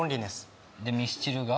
ロミスチルが？